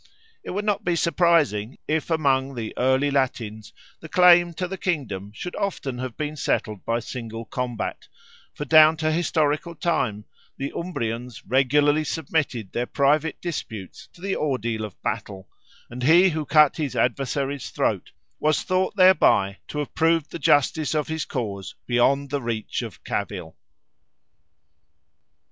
It would not be surprising if among the early Latins the claim to the kingdom should often have been settled by single combat; for down to historical times the Umbrians regularly submitted their private disputes to the ordeal of battle, and he who cut his adversary's throat was thought thereby to have proved the justice of his cause beyond the reach of cavil.